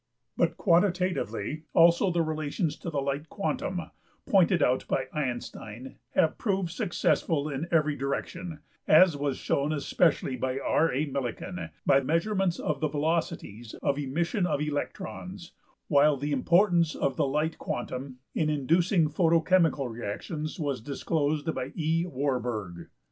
But quantitatively also the relations to the light quantum, pointed out by Einstein (p.~\pageref{Einstein}), %% adjust for generated pagination have proved successful in every direction, as was shown especially by R.~A.~Millikan, by measurements of the velocities of emission of electrons(33), while the importance of the light quantum in inducing photochemical reactions was disclosed by E.~Warburg(34).